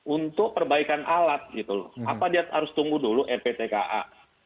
untuk perbaikan alat gitu loh apa dia harus tunggu dulu rptka